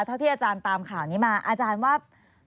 เท่าที่อาจารย์ตามข่าวนี้มาอาจารย์ว่า